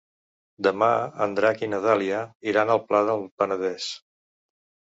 Demà en Drac i na Dàlia iran al Pla del Penedès.